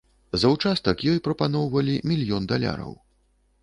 За ўчастак ёй прапаноўвалі мільён даляраў.